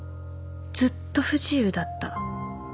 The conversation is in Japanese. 「ずっと不自由だった。